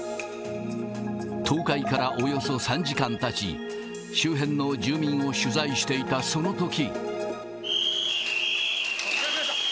倒壊からおよそ３時間たち、周辺の住民を取材していたそのとき。